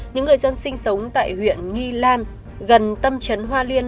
những người dân sinh sống tại huyện nghi lan gần tâm chấn hoa liên